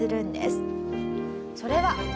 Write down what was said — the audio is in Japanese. それは。